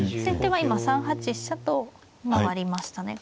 先手は今３八飛車と回りましたね。